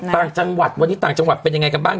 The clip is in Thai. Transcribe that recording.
ต่างจังหวัดวันนี้ต่างจังหวัดเป็นยังไงกันบ้าง